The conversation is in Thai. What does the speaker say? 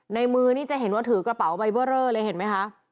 ในมือนี่จะเห็นว่าถือกระเป๋าใบเบอร์เรอเลยเห็นไหมคะ